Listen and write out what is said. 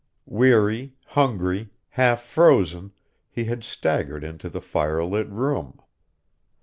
Weary, hungry, half frozen, he had staggered into the fire lit room.